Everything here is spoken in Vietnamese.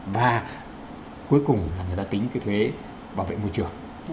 và cuối cùng là người ta tính cái thuế bảo vệ môi trường